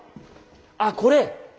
あっこれ？